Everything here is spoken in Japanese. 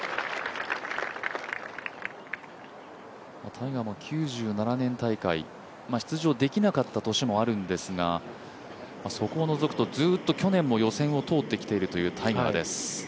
タイガーも９７年大会、出場できなかった年もあるんですがそこを除くとずっと去年も予選を通ってきているというタイガーです。